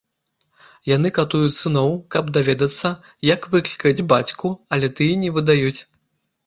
Яны катуюць сыноў, каб даведацца, як выклікаць бацьку, але тыя не выдаюць.